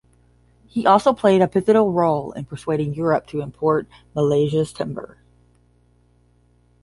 He also played a pivotal role in persuading Europe to import Malaysia's timber.